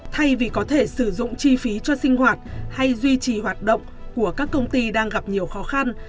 thay vì có thể sử dụng chi phí cho sinh hoạt hay duy trì hoạt động của các công ty đang gặp nhiều khó khăn